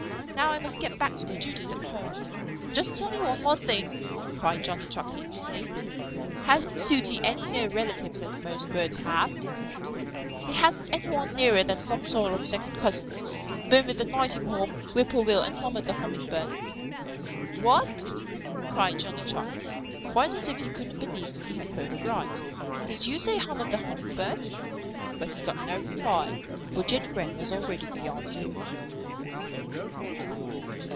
Now I must get back to my duties at home." "Just tell me one more thing," cried Johnny Chuck hastily. "Hasn't Sooty any near relatives as most birds have?" "He hasn't any one nearer than some sort of second cousins, Boomer the Nighthawk, Whippoorwill, and Hummer the Hummingbird." "What?" cried Johnny Chuck, quite as if he couldn't believe he had heard aright. "Did you say Hummer the Hummingbird?" But he got no reply, for Jenny Wren was already beyond hearing.